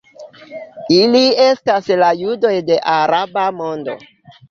Ili estas la judoj de la araba mondo.